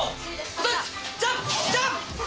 小鉄、ジャンプ、ジャンプ。